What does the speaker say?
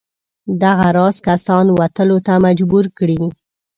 دغه راز کسان وتلو ته مجبور کړي.